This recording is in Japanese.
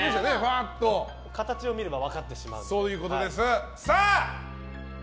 形を見れば分かってしまうということで。